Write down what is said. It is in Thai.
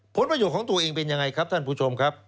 ผลประโยชน์ของตัวเองเป็นยังไงครับท่านผู้ชมครับ